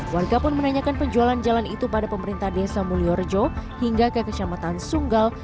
warga pun menanyakan penjualan jalan itu pada pemerintah desa mulyorejo hingga ke kecamatan sunggal